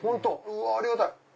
⁉うわありがたい！